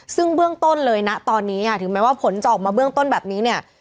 ซึ่งเบื้องต้นเลยนะตอนนี้ค่ะถึงแม้ว่าผลจะออกมาเบื้องต้นแบบนี้เนี่ย